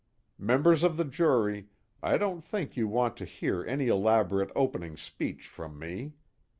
"Members of the jury, I don't think you want to hear any elaborate opening speech from me.